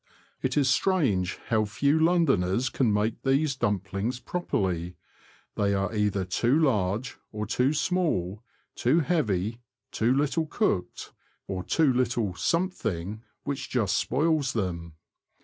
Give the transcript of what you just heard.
It is strange how few Londoners can make these dumplings properly ; they are either too large or too small, too heavy, too little cooked, or too little CHARACTERISTICS AND DIALECT. 265 ''something," which just spoils them.